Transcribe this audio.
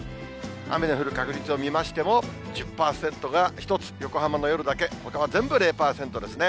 雨の降る確率を見ましても、１０％が１つ、横浜の夜だけ、ほかは全部０％ですね。